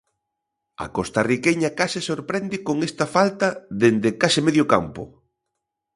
A costarriqueña case sorprende con esta falta dende case medio campo.